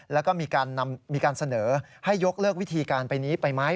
แล้วก็มีการเสนอให้ยกเลิกวิธีการไปนี้ไปไหม